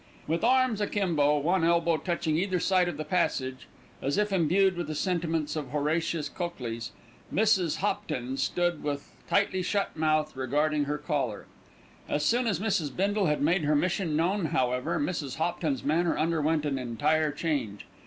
With arms akimbo, one elbow touching either side of the passage, as if imbued with the sentiments of Horatius Cocles, Mrs. Hopton stood with tightly shut mouth regarding her caller. As soon as Mrs. Bindle had made her mission known, however, Mrs. Hopton's manner underwent an entire change.